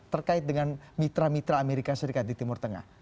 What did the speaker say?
terkait dengan mitra mitra amerika serikat di timur tengah